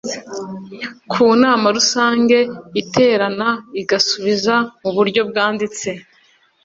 ku nama rusange iterana igasubiza mu buryo bwanditse